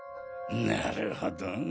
なるほど。